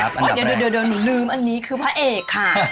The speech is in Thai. เริ่มเลยค่ะครับอันดับแรกโอ้ยเดี๋ยวหนึ่งลืมอันนี้เลยคือพระเอกค่ะ